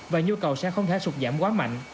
và nhu cầu sẽ không thể sụt giảm quá mạnh